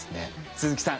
鈴木さん